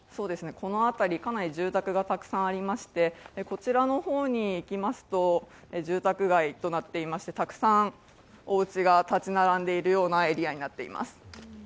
この辺りかなり住宅がたくさんありましてこちらの方に行きますと住宅街となっていましてたくさんおうちが建ち並んでいるようなエリアになっています。